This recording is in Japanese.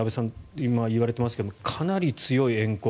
今、言われてますがかなり強いえん恨。